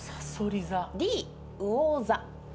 Ｄ魚座。